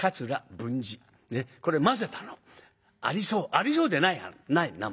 ありそうでない名前ね。